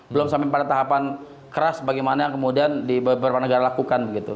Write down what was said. belum sampai pada tahapan keras bagaimana kemudian di beberapa negara lakukan begitu